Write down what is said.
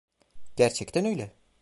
Gerçekten öyle.